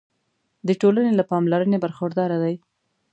د ټولنې له پاملرنې برخورداره دي.